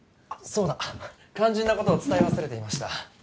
そうだ肝心なことを伝え忘れていました